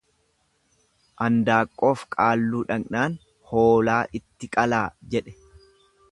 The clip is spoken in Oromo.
Andaaqqoof qaalluu dhaqnaan hoolaa itti qalaa jedhe.